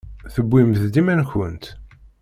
Tewwimt-d iman-nkent.